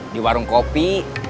di warung kopi